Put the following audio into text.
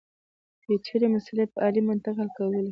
پېچلې مسلې په عالي منطق حل کولې.